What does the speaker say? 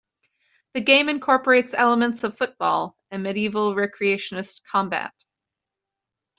The game incorporates elements of football and medieval recreationist combat.